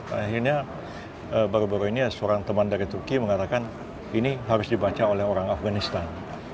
akhirnya baru baru ini seorang teman dari turki mengatakan ini harus dibaca oleh orang afganistan